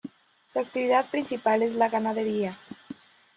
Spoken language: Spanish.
Su actividad principal es la ganadería.